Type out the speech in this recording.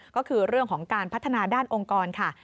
ก็คือเรื่องของการพัฒนาด้านองค์กรค่ะ